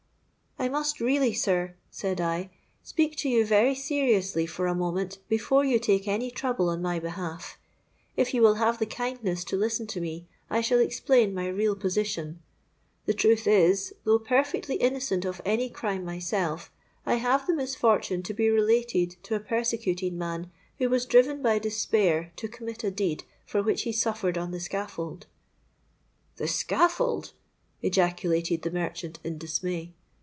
'—'I must really, sir,' said I, 'speak to you very seriously for a moment before you take any trouble on my behalf. If you will have the kindness to listen to me, I shall explain my real position. The truth is, though perfectly innocent of any crime myself, I have the misfortune to be related to a persecuted man, who was driven by despair to commit a deed for which he suffered on the scaffold.'—'The scaffold!' ejaculated the merchant in dismay.